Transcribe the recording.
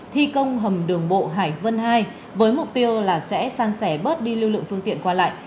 thi công hầm đường bộ hải vân hai với mục tiêu là sẽ san sẻ bớt đi lưu lượng phương tiện qua lại